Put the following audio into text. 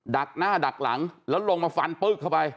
ักหน้าดักหลังแล้วลงมาฟันปึ๊กเข้าไป